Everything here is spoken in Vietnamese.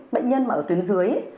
bệnh nhân mà ở tuyến dưới